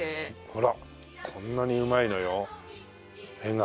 ほらこんなにうまいのよ絵が。